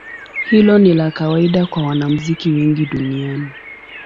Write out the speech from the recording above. Hilo ni la kawaida kwa wanamuziki wengi duniani.